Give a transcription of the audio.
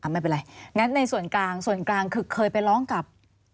ไม่เป็นไรงั้นในส่วนกลางส่วนกลางคือเคยไปร้องกับ